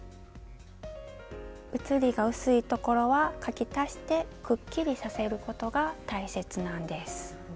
写りが薄いところは描き足してくっきりさせることが大切なんです。